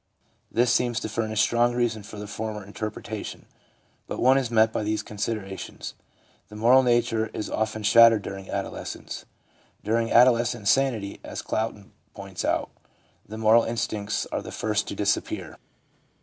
This seems to furnish strong reason for the former interpretation. But one is met by these considerations: — The moral nature is often shattered during adolescence. During adolescent insanity, as Clouston points out, the moral instincts are the first to disappear.